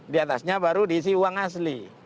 diatasnya baru diisi uang asli